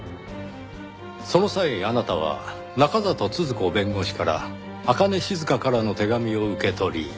その際あなたは中郷都々子弁護士から朱音静からの手紙を受け取り。